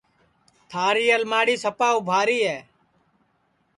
تھاری الماڑی سپا اُبھاری ہے